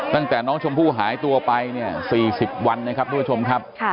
ตั้งแต่น้องชมพู่หายตัวไปเนี่ย๔๐วันนะครับทุกผู้ชมครับ